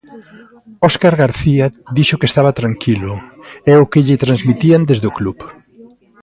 Óscar García dixo que estaba tranquilo, é o que lle transmitían desde o club.